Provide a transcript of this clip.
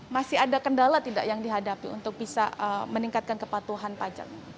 masih ada kendala tidak yang dihadapi untuk bisa meningkatkan kepatuhan pajak